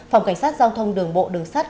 phòng cảnh sát giao thông đường bộ đường sát